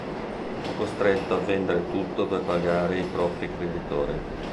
Fu costretto a vendere tutto per pagare i propri creditori.